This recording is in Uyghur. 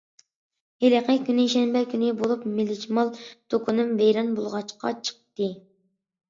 ھېلىقى كۈنى شەنبە كۈنى بولۇپ مىلىچمال دۇكىنىم ۋەيران بولغاچقا چىقتى.